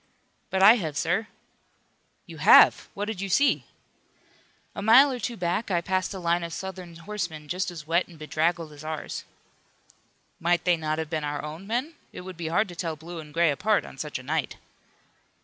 "But I have, sir." "You have! What did you see?" "A mile or two back I passed a line of Southern horsemen, just as wet and bedraggled as ours." "Might they not have been our own men? It would be hard to tell blue and gray apart on such a night."